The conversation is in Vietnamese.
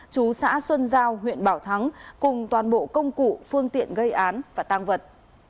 chú xã xuân giao huyện bảo thắng cùng toàn bộ công cụ phương tiện gây án và tăng vật